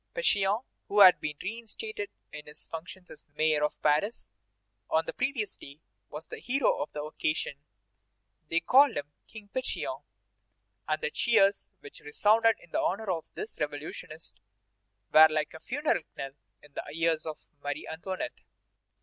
Pétion, who had been reinstated in his functions as mayor of Paris on the previous day, was the hero of the occasion. They called him King Pétion, and the cheers which resounded in honor of this revolutionist were like a funeral knell in the ears of Marie Antoinette.